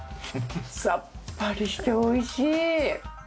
さっぱりしておいしい。